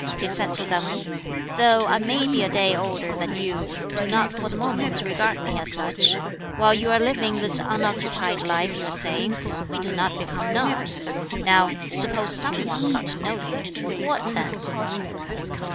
He said to them, "Though I may be a day older than you, do not (for the moment) regard me as such. While you are living this unoccupied life you are saying, 'We do not become known.' Now suppose some one got to know you, what then?"